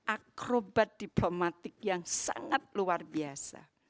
akrobat diplomatik yang sangat luar biasa